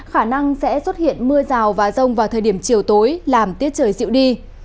khả năng sẽ xuất hiện mưa rào và rông vào thời điểm chiều tối làm tiết trời dịu đi